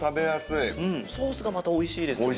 ソースがまたおいしいですね。